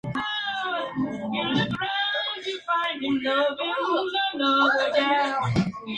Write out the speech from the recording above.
Antes de salir de Portugal, consideró entrar en el seminario pero finalmente desistió.